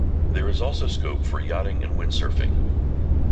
There is also scope for yachting and windsurfing.